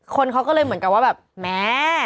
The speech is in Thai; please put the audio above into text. คนเขาก็เลยเหมือนกับว่าแบบแม่